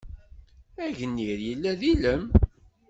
Agnir yella d ilem.